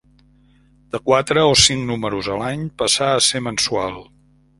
De quatre o cinc números a l'any passà a ser mensual.